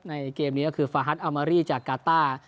เกมนี้ก็คือฟาฮัทอามารีจากกาต้า